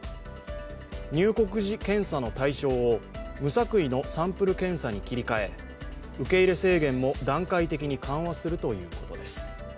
入国時検査の対象を無作為のサンプル検査に切り替え受け入れ制限も段階的に緩和するということです。